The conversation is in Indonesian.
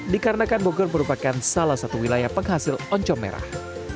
dikarenakan bogor merupakan salah satu wilayah penghasil oncom merah